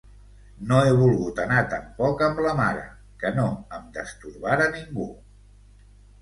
No he volgut anar tampoc amb la mare, que no em destorbara ningú...